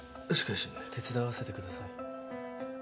しかし。手伝わせてください。